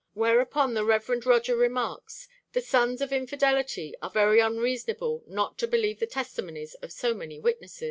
Whereupon the Rev. Roger remarks: 'The sons of infidelity are very unreasonable not to believe the testimonies of so many witnesses.'